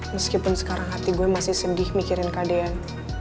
meskipun sekarang hati gue masih sedih mikirin kadean